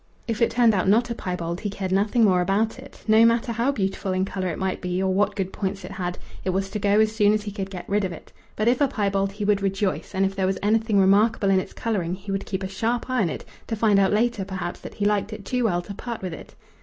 If it turned out not a piebald he cared nothing more about it, no matter how beautiful in colour it might be or what good points it had: it was to go as soon as he could get rid of it; but if a piebald, he would rejoice, and if there was anything remarkable in its colouring he would keep a sharp eye on it, to find out later perhaps that he liked it too well to part with it.